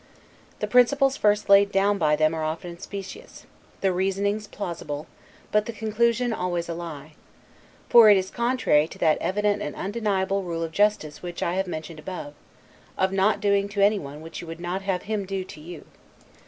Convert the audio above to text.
The principles first laid down by them are often specious, the reasonings plausible, but the conclusion always a lie: for it is contrary, to that evident and undeniable rule of justice which I have mentioned above, of not doing to anyone what you would not have him do to you.